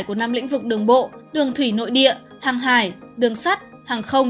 của năm lĩnh vực đường bộ đường thủy nội địa hàng hải đường sắt hàng không